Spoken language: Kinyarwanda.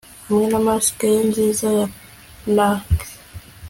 Hamwe na mask ye nziza ya plaque